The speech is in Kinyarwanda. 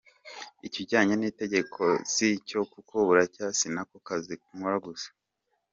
Ikijyane n’intege nke si cyo kuko burya si nako kazi nkora gusa".